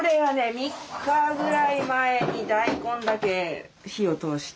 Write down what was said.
３日ぐらい前に大根だけ火を通して。